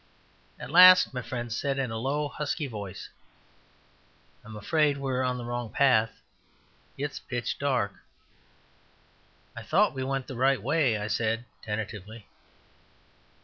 At last my friend said, in a low, husky voice: "I'm afraid we're on the wrong path. It's pitch dark." "I thought we went the right way," I said, tentatively.